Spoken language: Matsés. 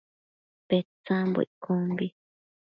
Petsambo iccombi